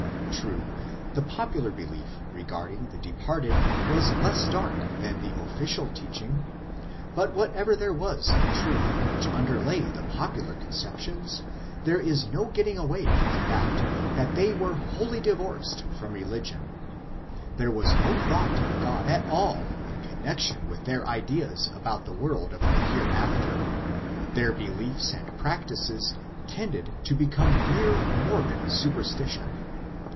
True, the popular belief regarding the departed was less dark than the official teaching ; but whatever there was of truth which underlay the popular conceptions, there is no getting away from the fact that they were wholly divorced from re ligion. There was no thought of God at all in connexion with their ideas about the world of the Hereafter ; their beliefs and practices tended to become mere morbid superstition.